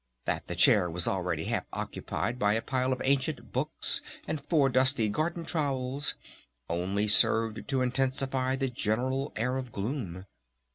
That the chair was already half occupied by a pile of ancient books and four dusty garden trowels only served to intensify the general air of gloom.